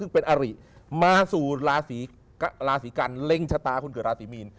ซึ่งเป็นอริมาสู่ราศีกันเล็งชะตาคนเกิดราศีมีน